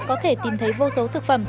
có thể tìm thấy vô số thực phẩm